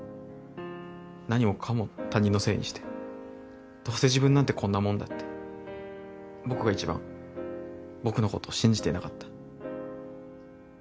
何もかも他人のせいにしてどうせ自分なんてこんなもんだって僕が一番僕のことを信じていなかった。